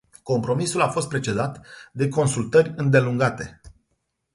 Compromisul a fost precedat de consultări îndelungate.